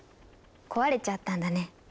壊れちゃったんだね。